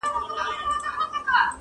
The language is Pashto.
پلار ویله د قاضي کمال څرګند سو,